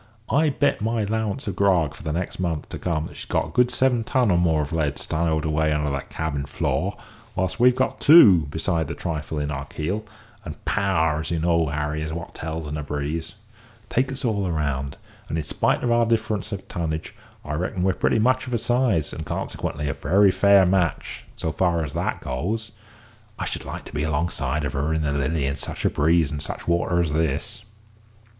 I'll bet my 'lowance of grog for the next month to come that she's got good seven ton or more of lead stowed away under her cabin floor; whilst we've got two, besides the trifle in our keel; and power, as you know well, Harry, is what tells in a breeze. Take us all round, and, in spite of our difference of tonnage, I reckon we're pretty much of a size, and consequently a very fair match, so far as that goes. I should like to be alongside of her in the Lily in such a breeze and such water as this."